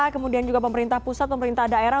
kemudian juga pemerintah pusat pemerintah daerah